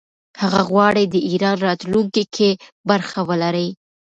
هغه غواړي د ایران راتلونکې کې برخه ولري.